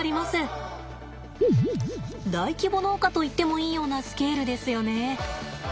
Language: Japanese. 大規模農家と言ってもいいようなスケールですよね。